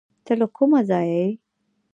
ته له کوم ځایه یې؟